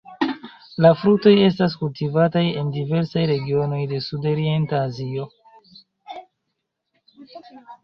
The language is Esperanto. La fruktoj estas kultivataj en diversaj regionoj de sudorienta Azio.